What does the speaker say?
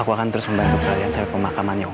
aku akan terus membantu kalian sampai pemakamannya